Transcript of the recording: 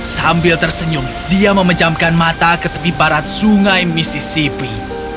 sambil tersenyum dia memejamkan mata ke tepi barat sungai misissipi